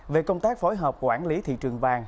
về công tác phối hợp quản lý thị trường vàng